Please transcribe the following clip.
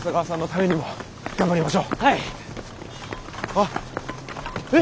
あっ。えっ？